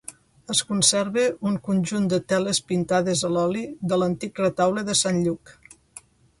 Es conserva un conjunt de teles pintades a l'oli de l'antic Retaule de Sant Lluc.